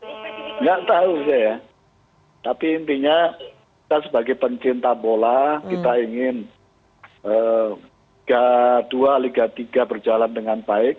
tidak tahu saya ya tapi intinya kita sebagai pencinta bola kita ingin liga dua liga tiga berjalan dengan baik